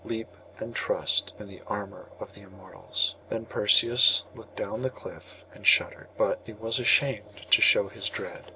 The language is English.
Leap, and trust in the armour of the Immortals.' Then Perseus looked down the cliff and shuddered; but he was ashamed to show his dread.